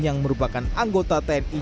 yang merupakan anggota tni